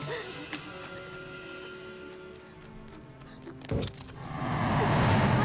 udah cepetan sana